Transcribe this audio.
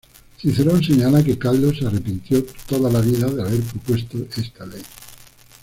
Cicerón señala que Caldo se arrepintió toda la vida de haber propuesto esta ley.